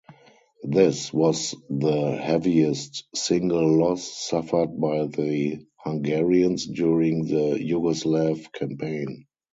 This was the heaviest single loss suffered by the Hungarians during the Yugoslav campaign.